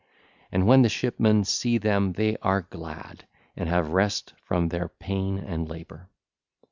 And when the shipmen see them they are glad and have rest from their pain and labour.